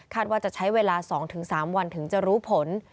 ว่าจะใช้เวลา๒๓วันถึงจะรู้ผล